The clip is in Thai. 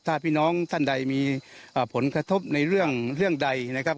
ถ้าพี่น้องท่านใดมีผลกระทบในเรื่องเรื่องใดนะครับ